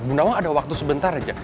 ibu nawang ada waktu sebentar aja